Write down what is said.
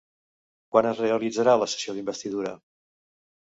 Quan es realitzarà la sessió d'investidura?